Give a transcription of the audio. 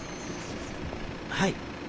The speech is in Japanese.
はい。